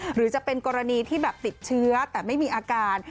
หรือจะเป็นกรณีที่แบบติดเชื้อแต่ไม่มีอาการ